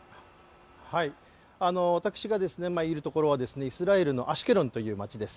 私が今いるところはイスラエルのアシュケロンという街です。